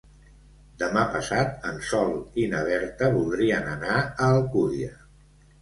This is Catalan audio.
Demà passat en Sol i na Berta voldrien anar a Alcúdia.